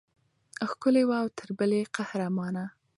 ښکلې وه او تر بلې قهرمانه.